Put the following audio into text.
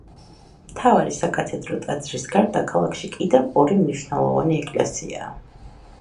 მთავარი საკათედრო ტაძრის გარდა ქალაქში კიდევ ორი მნიშვნელოვანი ეკლესიაა.